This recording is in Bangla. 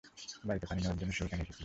বাড়িতে পানি নেয়ার জন্যে সে এখানে এসেছিল।